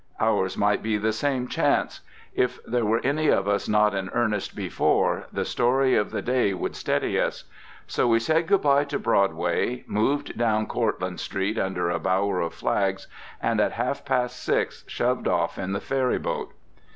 Ours might be the same chance. If there were any of us not in earnest before, the story of the day would steady us. So we said goodbye to Broadway, moved down Cortlandt Street under a bower of flags, and at half past six shoved off in the ferry boat.